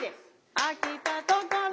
「あきたところよ」